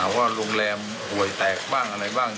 ว่าโรงแรมป่วยแตกบ้างอะไรบ้าง